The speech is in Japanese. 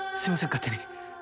勝手に。